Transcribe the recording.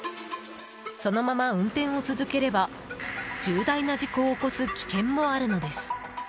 そのまま運転を続ければ重大な事故を起こす危険もあるのです。